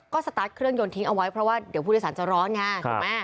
ก็สตาร์ทเครื่องยนต์ทิ้งเอาไว้เพราะว่าเดี๋ยวผู้โดยสารจะร้อนไงถูกไหม